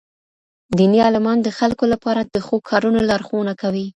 ديني عالمان د خلکو لپاره د ښو کارونو لارښوونه کوي.